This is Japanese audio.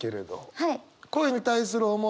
はい。